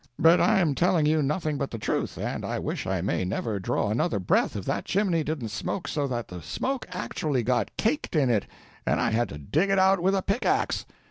But I am telling you nothing but the truth, and I wish I may never draw another breath if that chimney didn't smoke so that the smoke actually got caked in it and I had to dig it out with a pickaxe!